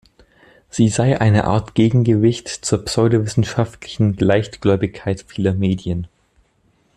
Sie sei eine Art Gegengewicht zur „pseudowissenschaftlichen Leichtgläubigkeit“ vieler Medien.